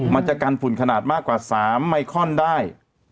มันจะกันฝุ่นขนาดมากกว่า๓ไมคอนได้